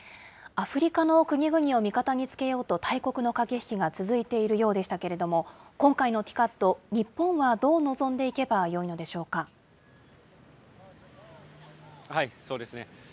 アフリカの国々を味方につけようと、大国の駆け引きが続いているようでしたけれども、今回のＴＩＣＡＤ、日本はどう臨んでいけばそうですね。